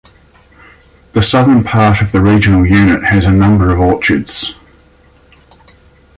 The southern part of the regional unit has a number of orchards.